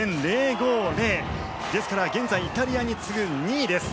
ですから、現在イタリアに次ぐ２位です。